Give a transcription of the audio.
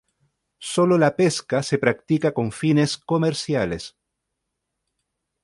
Solo la pesca se practica con fines comerciales.